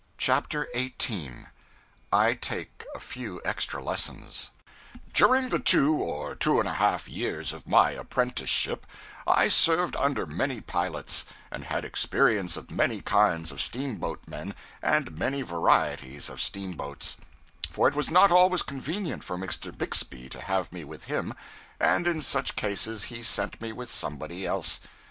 CHAPTER 18 I Take a Few Extra Lessons DURING the two or two and a half years of my apprenticeship, I served under many pilots, and had experience of many kinds of steamboatmen and many varieties of steamboats; for it was not always convenient for Mr. Bixby to have me with him, and in such cases he sent me with somebody else.